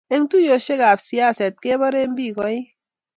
eng tuiyoshekab siaset kebare biik eng koik